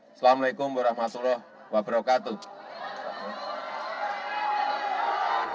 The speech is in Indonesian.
assalamu alaikum warahmatullahi wabarakatuh